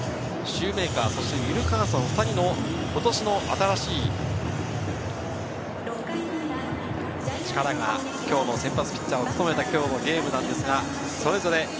シューメーカー、そしてウィルカーソン、２人の今年の新しい力が今日の先発ピッチャーを務めたゲームです。